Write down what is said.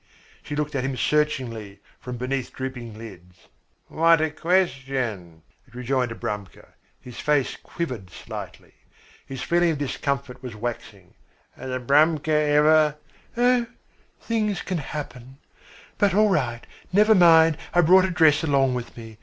She looked at him searchingly from beneath drooping lids. "What a question," rejoined Abramka. His face quivered slightly. His feeling of discomfort was waxing. "Has Abramka ever " "Oh, things can happen. But, all right, never mind. I brought a dress along with me.